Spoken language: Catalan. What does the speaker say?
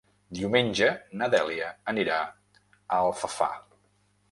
Diumenge na Dèlia anirà a Alfafar.